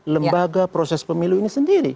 lembaga proses pemilu ini sendiri